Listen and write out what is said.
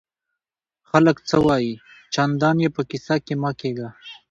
خلک څه وایي؟ چندان ئې په کیسه کي مه کېږه!